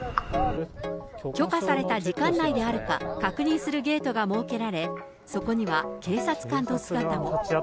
許可された時間内であるか確認するゲートが設けられ、そこには警察官の姿も。